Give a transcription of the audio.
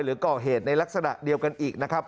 หรือก่อเหตุในลักษณะเดียวกันอีกนะครับ